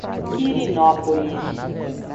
Quirinópolis